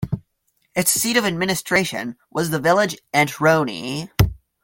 Its seat of administration was the village Antroni.